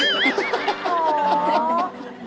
โอ้โฮ